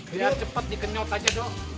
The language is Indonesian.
dia cepat di kenyot aja doang